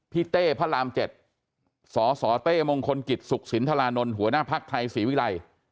เต้พระราม๗สสเต้มงคลกิจสุขสินทรานนท์หัวหน้าภักดิ์ไทยศรีวิรัย